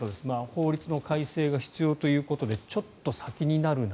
法律の改正が必要ということでちょっと先になるな。